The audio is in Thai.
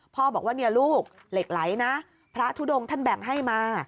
พ่อบอกว่าเนี่ยลูกเหล็กไหลนะพระทุดงท่านแบ่งให้มา